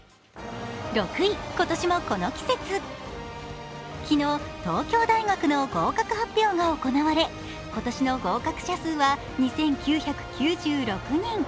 ６位、今年もこの季節、昨日、東京大学の合格発表が行われ今年の合格者数は２９９６人。